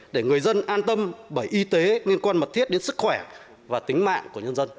để người dân an tâm bởi y tế liên quan mật thiết đến sức khỏe và tính mạng của nhân dân